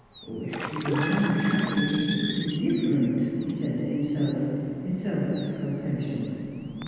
" If she were well and happy it would be different," he said to himself, in self exciilpation.